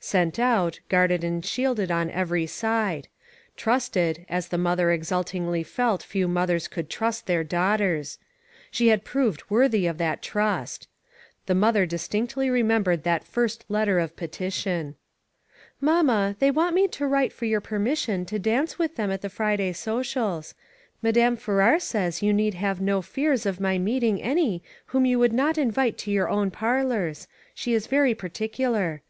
Sent out, guarded and shielded on every side. Trusted, as the mother exultingly felt few mothers could trust their daughters. She had proved worthy of the trust. The mother distinctly remembered that first letter of petition. " Mamma, they want me to write for your permission to dance with them at the Friday socials. Madame Farrar says you need have no fears of my meeting any whom you would not invite to your own parlors ; she is very particular.